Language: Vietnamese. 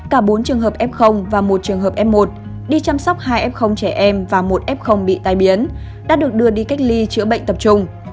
cả bốn trường hợp f và một trường hợp f một đi chăm sóc hai f trẻ em và một f bị tai biến đã được đưa đi cách ly chữa bệnh tập trung